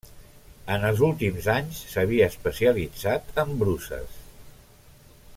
En els últims anys s'havia especialitzat en bruses.